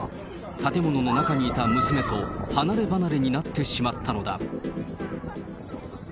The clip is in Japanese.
建物の中にいた娘と離れ離れになってしまったのだ。